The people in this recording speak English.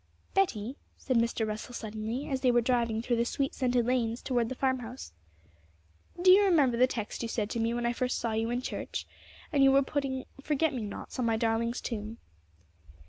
'Betty,' said Mr. Russell suddenly, as they were driving through the sweet scented lanes towards the farm house, 'do you remember the text you said to me when I first saw you in the church, and you were putting forget me nots on my darling's tomb?'